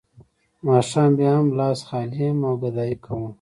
ماښام بیا هم لاس خالي یم او ګدايي کوم